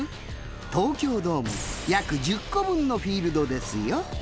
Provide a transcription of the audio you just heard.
東京ドーム約１０個分のフィールドですよ。